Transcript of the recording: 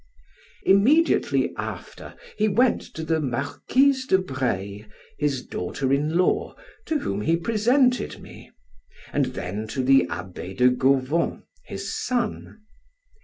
Immediately after he went to the Marchioness de Breil, his daughter in law, to whom he presented me, and then to the Abbe de Gauvon, his son.